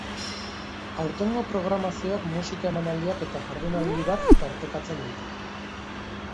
Aurtengo programazioak, musika emanaldiak eta jardunaldi bat tartekatzen ditu.